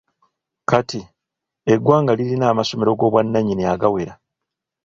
Kati, eggwanga lirina amasomero g'obwannanyini agawera.